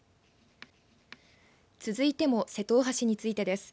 続いても瀬戸大橋についてです。